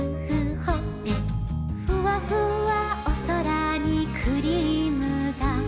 「ふわふわおそらにクリームだ」